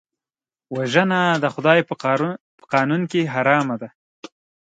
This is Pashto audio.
وژنه د خدای په قانون کې حرام ده